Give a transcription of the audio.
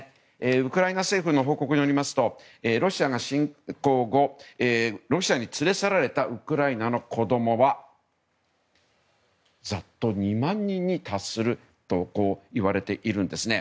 ウクライナ政府の報告によりますとロシアの侵攻後ロシアに連れ去られたウクライナの子供はざっと２万人に達するといわれているんですね。